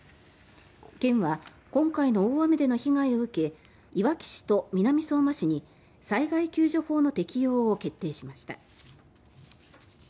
県は今回の大雨での被害を受けいわき市と南相馬市に災害救助法の適用を決定しました。